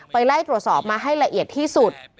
ไล่ตรวจสอบมาให้ละเอียดที่สุด